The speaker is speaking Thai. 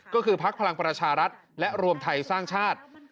ก็คือพักพลังประชารัฐและรวมไทยสร้างชาติ